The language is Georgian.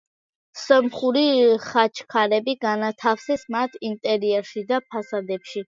სომხური ხაჩქარები განათავსეს მათ ინტერიერში და ფასადებში.